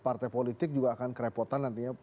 partai politik juga akan kerepotan nantinya